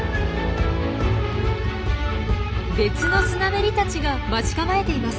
別のスナメリたちが待ち構えています。